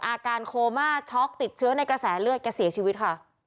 อาการโคม่าช็อกติดเชื้อในกระแสเลือดแกเสียชีวิตค่ะ